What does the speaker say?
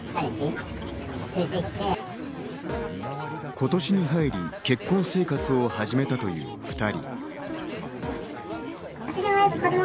今年に入り、結婚生活を始めたという２人。